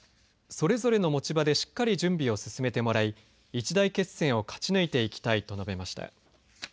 それぞれの持ち場でしっかり準備を進めてもらい一大決戦を勝ち抜いていきたいと述べました。